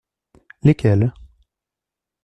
Lesquelles ?